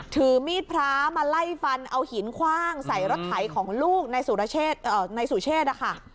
ถือมีดพระมาไล่ฟันเอาหินคว่างใส่รถไถของลูกในสุเชษนะคะ